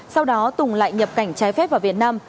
sau đó tùng lại nhập cảnh trái phép vào việt nam